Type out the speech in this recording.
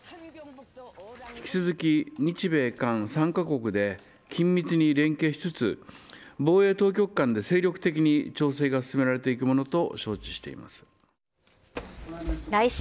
引き続き日米韓３か国で緊密に連携しつつ、防衛当局間で精力的に調整が進められていくものと承知しています。